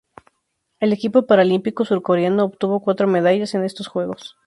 El equipo paralímpico surcoreano obtuvo cuatro medallas en estos Juegos.